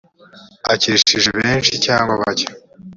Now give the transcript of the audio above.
akirishije benshi cyangwa bake